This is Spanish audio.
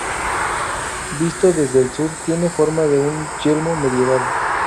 Visto desde el sur tiene forma de un yelmo medieval.